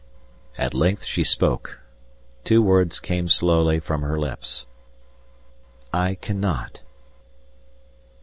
At length she spoke; two words came slowly from her lips: "I cannot."